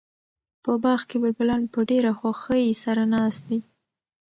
په باغ کې بلبلان په ډېره خوښۍ سره ناست دي.